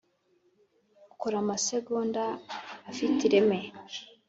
ukora amasegonda afite ireme.